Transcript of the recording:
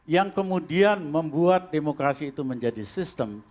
yang kemudian membuat demokrasi itu menjadi sistem